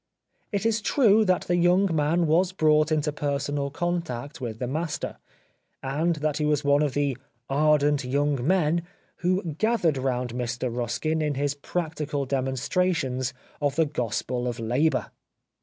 It is true that the young man was brought into personal contact with the master, and that he was one of the " ardent young men " who gathered round Mr Ruskin in his practical demonstrations of the Gospel of Labour.